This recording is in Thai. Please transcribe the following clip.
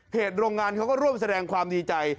โรงงานเขาก็ร่วมแสดงความดีใจ